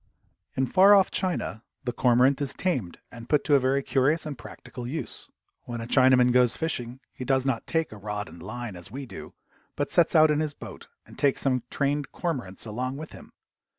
In far off China the cormorant is tamed and put to a very curious and practical use. When a Chinaman goes fishing he does not take a rod and line, as we do, but sets out in his boat and takes some trained cormorants along with him.